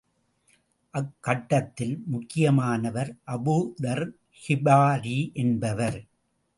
அக்கூட்டத்தில், முக்கியமானவர் அபூ தர் கிபாரீ என்பவர்.